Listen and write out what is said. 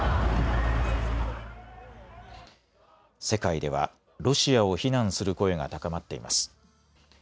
世界ではロシアを非難する声が高まっています。